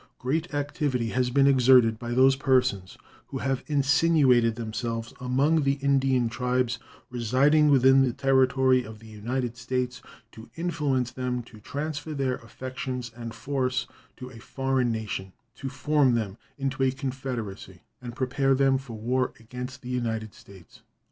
Great activity has been exerted by those persons who have insinuated themselves among the Indian tribes residing within the territory of the United States to influence them to transfer their affections and force to a foreign nation, to form them into a confederacy, and prepare them for war against the United States.